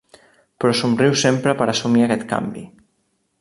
Però somriu sempre per assumir aquest canvi.